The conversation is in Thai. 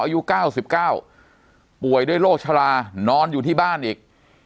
อายุ๙๙ป่วยด้วยโรคชะลานอนอยู่ที่บ้านอีก